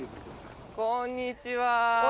こんにちは。